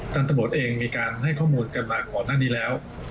ตำรวจเองมีการให้ข้อมูลกันมาก่อนหน้านี้แล้ว